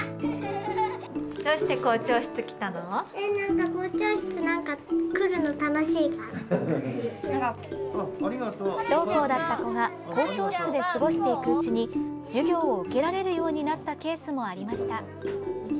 不登校だった子が校長室で過ごしていくうちに授業を受けられるようになったケースもありました。